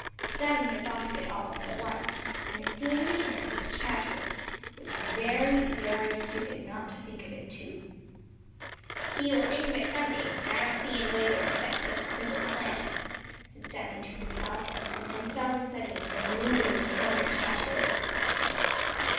Sammy had thought of it almost at once, and it seemed to him that Chatterer was very, very stupid not to think of it, too. "He will think of it some day, and I don't see any way to upset such a simple plan," said Sammy to himself and then fell to studying some new way to torment Chatterer.